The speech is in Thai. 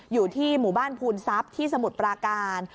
อยู่ที่หมู่บ้านภูนทรัพย์ที่สมุทรปราการ